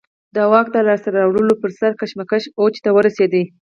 د واک د لاسته راوړلو پر سر کشمکش اوج ته ورسېد.